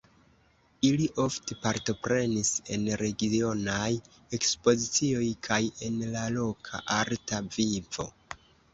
Ili ofte partoprenis en regionaj ekspozicioj kaj en la loka arta vivo.